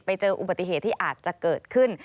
ไปเจออุบัติเหตุที่อาจจะเกิดขึ้น